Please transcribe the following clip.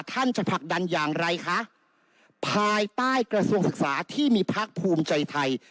ท่านจะผลักดันอย่างไรคะภายใต้กระทรวงศึกษาที่มีพักภูมิใจไทย